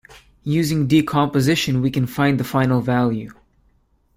Using decomposition we can find the final value.